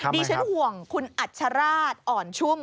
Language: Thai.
ดิฉันห่วงคุณอัชราชอ่อนชุ่ม